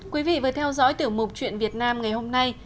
quý vị vừa theo dõi tiểu mục chuyện việt nam ngày hôm nay